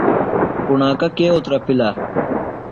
کُݨاکہ کے اُترپِلہ ؟